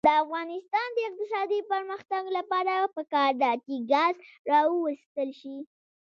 د افغانستان د اقتصادي پرمختګ لپاره پکار ده چې ګاز راوویستل شي.